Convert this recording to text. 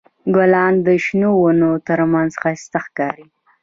ګلان د شنو ونو تر منځ ښایسته ښکاري.